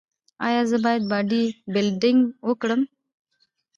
ایا زه باید باډي بلډینګ وکړم؟